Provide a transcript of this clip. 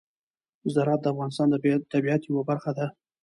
زراعت د افغانستان د طبیعت یوه برخه ده.